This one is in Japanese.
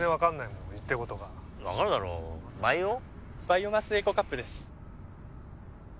バイオマスエコカップです。